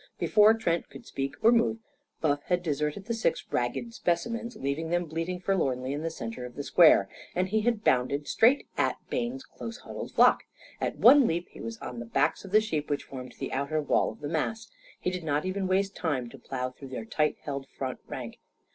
Before Trent could speak or move, Buff had deserted the six ragged specimens, leaving them bleating forlornly in the centre of the square. And he had bounded straight at Bayne's close huddled flock. At one leap he was on the backs of the sheep which formed the outer wall of the mass. He did not even waste time to plough through their tight held front rank.